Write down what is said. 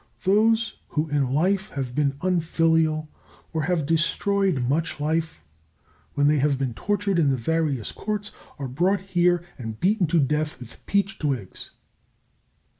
Those who in life have been unfilial or have destroyed much life, when they have been tortured in the various Courts are brought here and beaten to death with peach twigs.